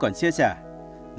nàng nghệ sĩ chia sẻ